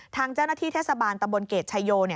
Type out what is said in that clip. ทางเจ้าหน้าที่เทศบาลตำบลเกรดชายโย